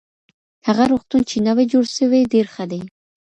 هغه روغتون چی نوی جوړ سوی ډېر ښه دی.